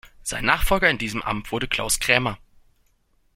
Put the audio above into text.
Sein Nachfolger in diesem Amt wurde Klaus Krämer.